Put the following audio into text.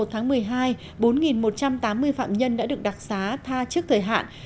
một tháng một mươi hai bốn một trăm tám mươi phạm nhân đã được đặc xá tha trước thời hạn